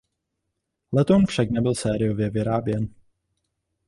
Letoun však nebyl sériově vyráběn.